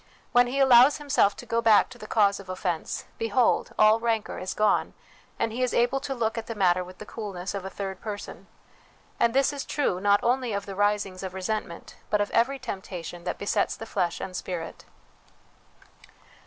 When he allows himself to go back to the cause of offence, behold, all rancour is gone, and he is able to look at the matter with the coolness of a third person. And this is true, not only of the risings of resentment, but of every temptation that besets the flesh and spirit.